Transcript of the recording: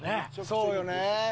そうよね。